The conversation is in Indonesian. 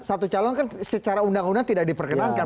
satu calon kan secara undang undang tidak diperkenankan